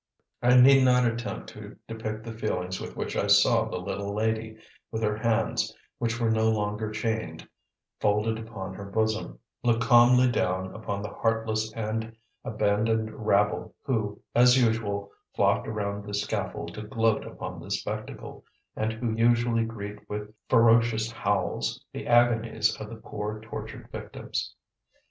I need not attempt to depict the feelings with which I saw the little lady, with her hands, which were no longer chained, folded upon her bosom, look calmly down upon the heartless and abandoned rabble who, as usual, flocked around the scaffold to gloat upon the spectacle, and who usually greet with ferocious howls the agonies of the poor tortured victims.